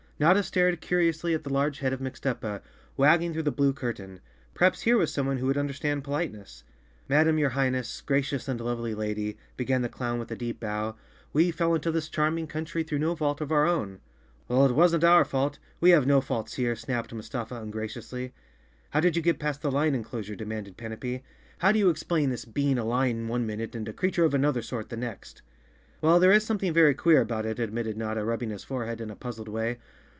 Notta stared curiously at the large head of Mixtuppa, wagging through the blue curtain. Perhaps here was someone who would understand politeness. "Madam, your Highness, gracious and lovely lady," began the clown with a deep bow, "we fell into this charming country through no fault of our own." "Well, it wasn't our fault; we have no faults here," snapped Mustafa ungraciously. "How did you get past the lion enclosure?" de¬ manded Panapee. "How do you explain this being a lion one minute and a creature of another sort the next?" "Well, there is something very queer about it," ad¬ mitted Notta, rubbing his forehead in a puzzled way.